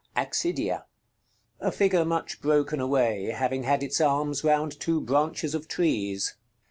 Accidia. A figure much broken away, having had its arms round two branches of trees.